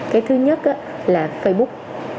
cái thứ nhất là facebook